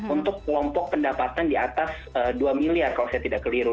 untuk kelompok pendapatan di atas dua miliar kalau saya tidak keliru